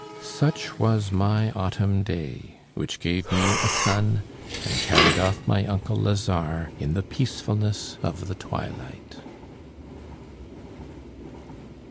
Such was my autumn day, which gave me a son, and carried off my uncle Lazare in the peacefulness of the twilight.